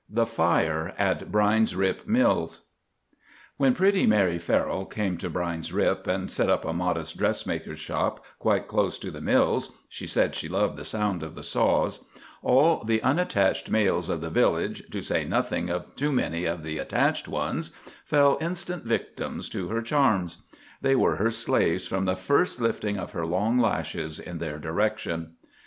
V. THE FIRE AT BRINE'S RIP MILLS I When pretty Mary Farrell came to Brine's Rip and set up a modest dressmaker's shop quite close to the Mills (she said she loved the sound of the saws), all the unattached males of the village, to say nothing of too many of the attached ones, fell instant victims to her charms. They were her slaves from the first lifting of her long lashes in their direction.